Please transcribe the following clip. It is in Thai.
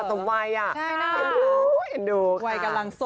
โทษที